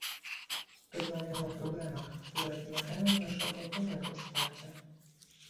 rozmawiamy o problemach, które wymagają naszego pełnego wsparcia